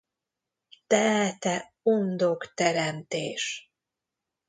Te, te undok teremtés!